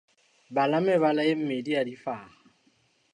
Bala mebala e mmedi ya difaha.